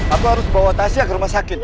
aku harus bawa tasnya ke rumah sakit